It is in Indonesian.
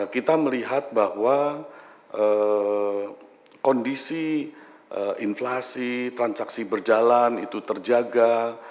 kita melihat bahwa kondisi inflasi transaksi berjalan itu terjaga